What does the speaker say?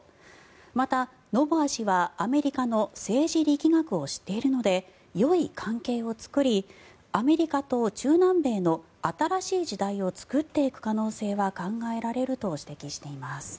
また、ノボア氏はアメリカの政治力学を知っているのでよい関係を作りアメリカと中南米の新しい時代を作っていく可能性は考えられると指摘しています。